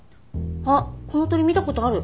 あっこの鳥見た事ある。